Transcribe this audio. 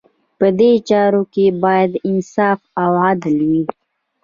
په دې چارو کې باید انصاف او عدل وي.